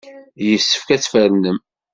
Yessefk ad tfernem.